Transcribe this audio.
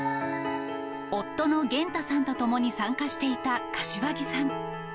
夫の嚴太さんと共に参加していた柏木さん。